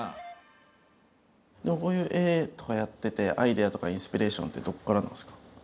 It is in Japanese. でもこういう絵とかやっててアイデアとかインスピレーションってどこからなんですか？